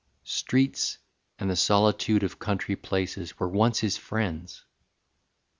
XXI. Streets and the solitude of country places Were once his friends.